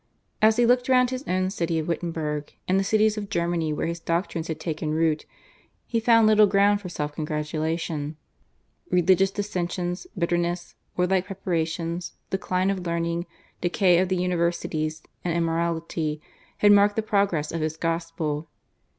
As he looked round his own city of Wittenberg and the cities of Germany where his doctrines had taken root he found little ground for self congratulation. Religious dissensions, bitterness, war like preparations, decline of learning, decay of the universities, and immorality, had marked the progress of his gospel.